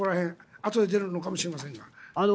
あとで出るのかもしれませんが。